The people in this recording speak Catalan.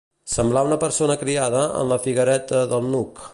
Semblar una persona criada en la Figuereta del Nuc.